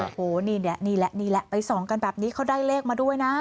โอ้โหนี่แหละนี่แหละนี่แหละไปส่องกันแบบนี้เขาได้เลขมาด้วยนะ